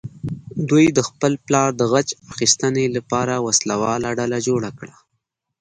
دوی د خپل پلار غچ اخیستنې لپاره وسله واله ډله جوړه کړه.